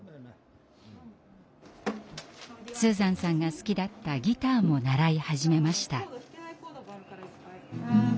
スーザンさんが好きだったギターも習い始めました。